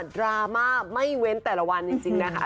ดราม่าไม่เว้นแต่ละวันจริงนะคะ